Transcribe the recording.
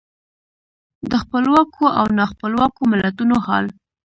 د خپلواکو او نا خپلواکو ملتونو حال.